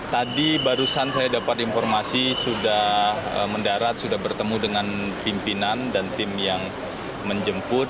tadi barusan saya dapat informasi sudah mendarat sudah bertemu dengan pimpinan dan tim yang menjemput